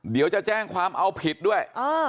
เดี๋ยวจะแจ้งความเอาผิดด้วย